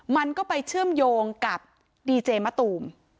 มันก็ไปเชื่อมโยงกับดีเจมะตูม